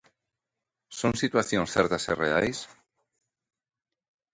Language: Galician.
Son situacións certas e reais?